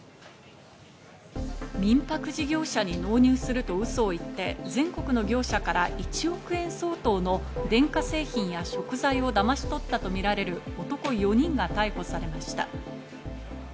民泊事業者に納入するとウソを言って、全国の業者から１億円相当の電化製品や食材をだまし取ったとみられる男４人が逮捕されました。